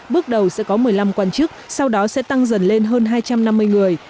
bước đầu sẽ có một mươi năm quan chức sau đó sẽ tăng dần lên hơn hai trăm năm mươi người